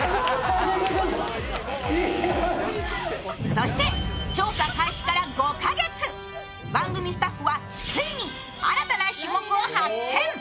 そして調査開始から５か月、番組スタッフはついに新たな種目を発見。